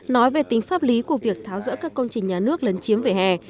nói về tính pháp lý của việc tháo rỡ các công trình nhà nước lấn chiếm vỉa hè